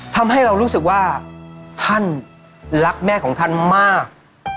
ทำให้เรารู้สึกว่าท่านรักแม่ของท่านมาก